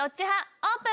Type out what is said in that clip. オープン！